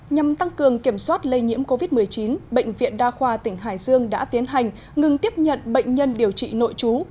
nhằm tăng cường kiểm soát lây nhiễm covid một mươi chín bệnh viện đa khoa tỉnh hải dương đã tiến hành ngừng tiếp nhận bệnh nhân điều trị nội chú